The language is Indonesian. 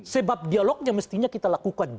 sebab dialognya mestinya kita lakukan